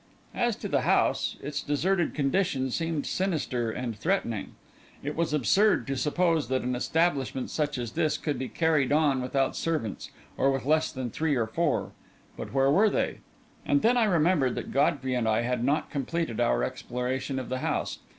As to the house, its deserted condition seemed sinister and threatening. It was absurd to suppose that an establishment such as this could be carried on without servants, or with less than three or four. But where were they? And then I remembered that Godfrey and I had not completed our exploration of the house.